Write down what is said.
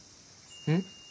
うん？